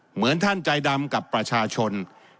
เหมือนท่านใจดำกับประชาชน